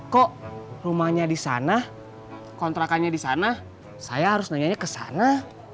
kok rumahnya di sana kontrakannya di sana saya harus nanya ke sana